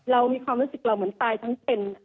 เรามีความรู้สึกเราเหมือนตายทั้งเป็น